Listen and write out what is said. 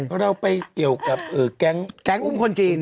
เราไปเกี่ยวกับแก๊งอุ้มคนจีน